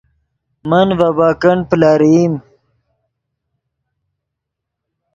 من ڤے بیکنڈ پلرئیم